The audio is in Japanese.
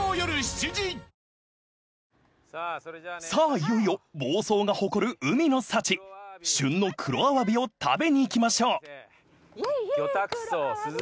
いよいよ房総が誇る海の幸旬の黒アワビを食べに行きましょう］